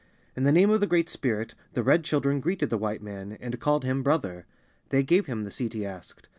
In the name of the Great Spirit, the Red Children greeted the White man, and called him "brother." They gave him the seat he asked.